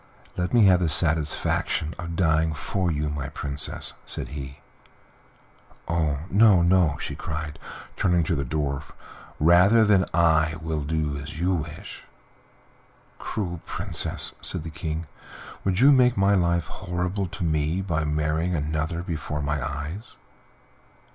"Let me have the satisfaction of dying for you, my Princess," said he. "Oh, no, no!" she cried, turning to the Dwarf; "rather than that I will do as you wish." "Cruel Princess!" said the King, "would you make my life horrible to me by marrying another before my eyes?"